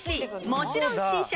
もちろん新車！